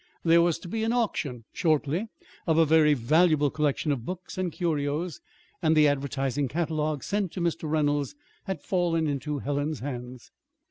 There was to be an auction shortly of a very valuable collection of books and curios, and the advertising catalogue sent to Mr. Reynolds had fallen into Helen's hands.